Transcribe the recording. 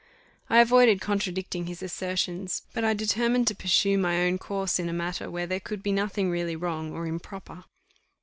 I avoided contradicting his assertions; but I determined to pursue my own course in a matter where there could be nothing really wrong or improper.